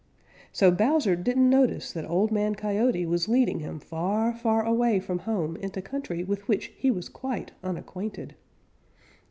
So Bowser didn't notice that Old Man Coyote was leading him far, far away from home into country with which he was quite unacquainted.